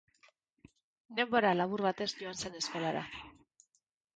Denbora labur batez joan zen eskolara.